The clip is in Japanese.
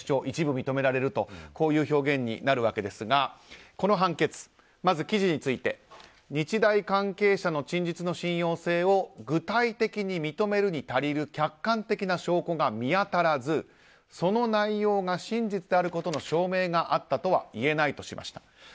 一部認められるとこういう表現になるわけですがこの判決、まず記事について日大関係者の陳述の信用性を具体的に認めるに足りる客観的な証拠が見当たらずその内容が真実であることの証明があったとはいえないとしました。